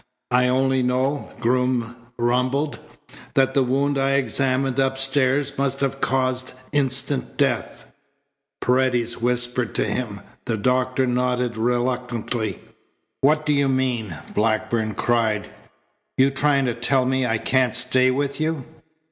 "I only know," Groom rumbled, "that the wound I examined upstairs must have caused instant death." Paredes whispered to him. The doctor nodded reluctantly. "What do you mean?" Blackburn cried. "You trying to tell me I can't stay with you?"